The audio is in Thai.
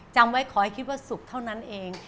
จำไว้ขอให้คิดว่าสุกเท่านั้นเอง